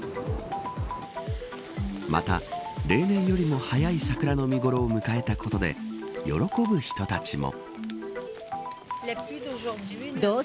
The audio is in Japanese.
また、例年よりも早い桜の見頃を迎えたことで喜ぶ人たちも。